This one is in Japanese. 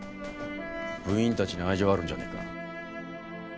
部員たちに愛情あるんじゃねえか。